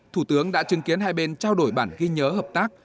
thủ tướng đã chứng kiến hai bên trao đổi bản ghi nhớ hợp tác